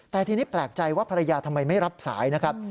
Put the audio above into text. แต่ทีนี้แปลกใจว่าภรรยาทำไมไม่รับสายนะครับ